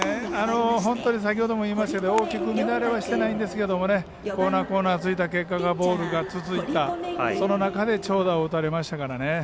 先ほども言いましたけど大きく乱れはしていないんですけどコーナーを突いた結果がボールが続いて、その中で長打を打たれましたからね。